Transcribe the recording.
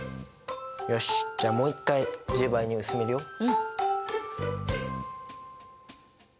よしじゃあもう一回１０倍に薄めるよ。